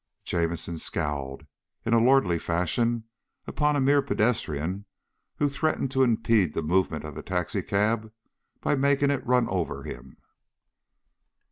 Jamison scowled in a lordly fashion upon a mere pedestrian who threatened to impede the movement of the taxicab by making it run over him.